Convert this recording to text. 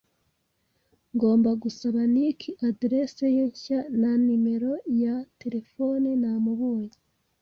Ngomba gusaba Nick aderesi ye nshya na nimero ya terefone namubonye.